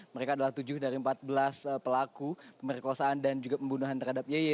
mereka adalah tujuh dari empat belas pelaku pemerkosaan dan juga pembunuhan terhadap yeye